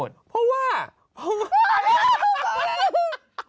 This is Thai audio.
เจ็บปวด